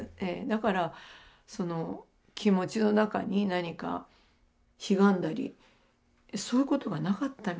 だからその気持ちの中に何かひがんだりそういうことはなかったみたいですね。